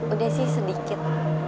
udah sih sedikit